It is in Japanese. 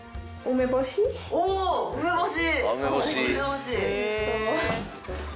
梅干し。